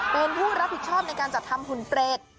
เป็นผู้รับผิดชอบในการจัดทำหุ่นเปรต